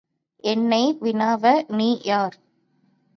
என்னை வினவ நீ யார்?